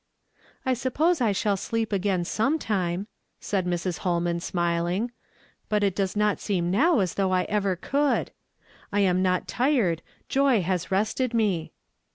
" I suppose I shall sleep again sometime," said Mrs. llolman smiling, "but it does not seem now as though I ever could. I am not tired, joy has rested me."